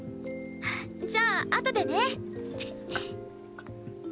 じゃああとでね。